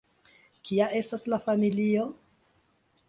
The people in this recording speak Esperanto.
Kia estas la familio?